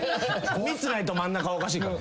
３つないと真ん中はおかしいから。